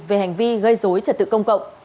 về hành vi gây dối trật tự công cộng